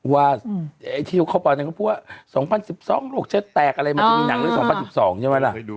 ว่าที่เขาบอกว่า๒๐๑๒โรคเชิดแตกอะไรมันจะมีหนังด้วย๒๐๑๒ใช่ไหมล่ะ